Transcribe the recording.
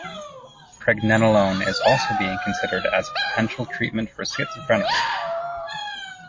Pregnenolone is also being considered as a potential treatment for schizophrenia.